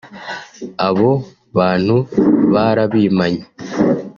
Abo bantu narabimanye